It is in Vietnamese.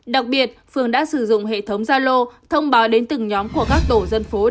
đặc biệt phường đã sử dụng hệ thống gia lô thông báo đến từng nhóm của các tổ dân phố